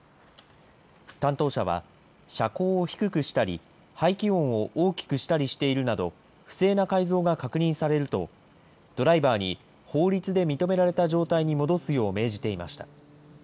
担当者は、車高を低くしたり、排気音を大きくしたりしているなど、不正な改造が確認されると、ドライバーに、法律で認められた状態に戻すよう命じていました。